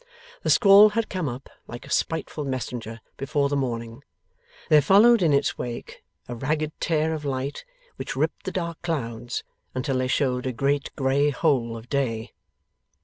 The squall had come up, like a spiteful messenger before the morning; there followed in its wake a ragged tear of light which ripped the dark clouds until they showed a great grey hole of day.